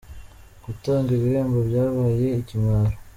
Gutanga ibihembo byabaye ikimwaro